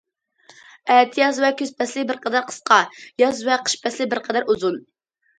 ئەتىياز ۋە كۈز پەسلى بىر قەدەر قىسقا، ياز ۋە قىش پەسلى بىر قەدەر ئۇزۇن.